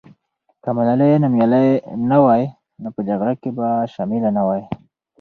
که ملالۍ نومیالۍ نه وای، نو په جګړه کې به شامله نه وای.